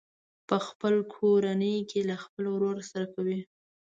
په خپله کورنۍ کې له خپل ورور سره کوي.